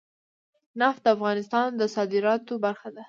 نفت د افغانستان د صادراتو برخه ده.